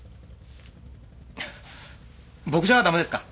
僕じゃダメですか？